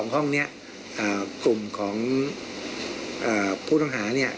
ห้องนี้กลุ่มของผู้ต้องหาเนี่ย